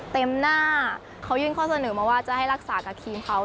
เต็มหน้าเขายื่นข้อเสนอมาว่าจะให้รักษากับทีมเขา